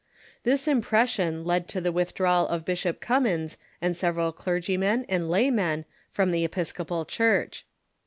This impression led to the withdrawal of Bishop Cummins and several clergymen and laymen from the Episcopal Church.